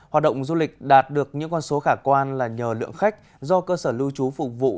hoạt động du lịch đạt được những con số khả quan là nhờ lượng khách do cơ sở lưu trú phục vụ